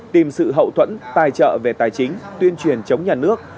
tìm sự hậu thuẫn tài trợ về tài chính tuyên truyền chống nhà nước